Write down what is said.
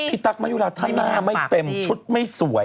ตั๊กมายุราถ้าหน้าไม่เต็มชุดไม่สวย